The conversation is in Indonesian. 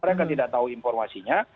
mereka tidak tahu informasinya